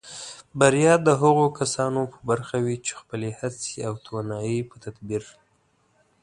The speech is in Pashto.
بریا د هغو کسانو په برخه وي چې خپلې هڅې او توانایۍ په تدبیر